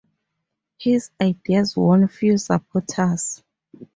His ideas won few supporters.